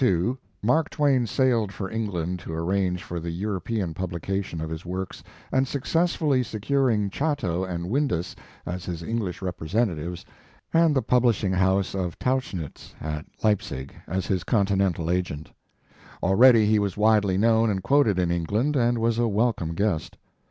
In 1872, Mark Twain sailed for Eng land to arrange for the European publi cation of his works and successfully se curing Chatto and Windus, as his Eng lish representatives, and the publishing house of Tauchnitz at Leipzig, as his continental agent. Already he was widely known and quoted in England, and was a welcome guest.